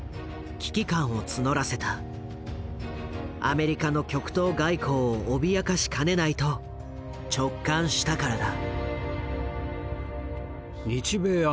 アメリカの極東外交を脅かしかねないと直感したからだ。